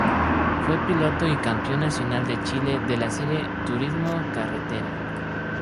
Fue piloto y campeón nacional de Chile de la serie turismo carretera.